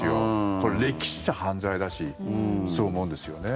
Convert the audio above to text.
これ、れっきとした犯罪だしそう思うんですよね。